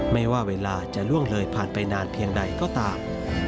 ไม่ว่าเวลาจะล่วงเลยผ่านไปนานเพียงใดก็ตาม